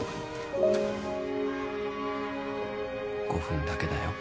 ５分だけだよ。